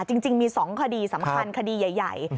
จริงมี๒คดีสำคัญคดีใหญ่